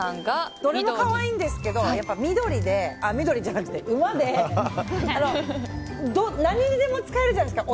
どれも可愛いんですけど、馬で何にでも使えるじゃないですか。